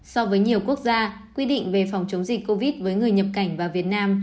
so với nhiều quốc gia quy định về phòng chống dịch covid với người nhập cảnh vào việt nam